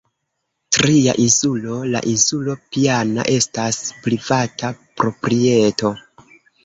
Tria insulo, la insulo Piana, estas privata proprieto.